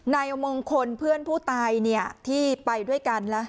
นายมงคลเพื่อนผู้ตายที่ไปด้วยกัน